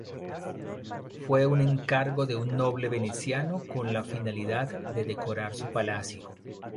Fue un encargo de un noble veneciano con la finalidad de decorar su palacio.